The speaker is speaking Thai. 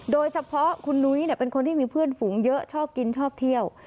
โดยเฉพาะคุณนุ้ยเป็นคนที่มีเพื่อนฝูงเยอะชอบกินชอบเที่ยว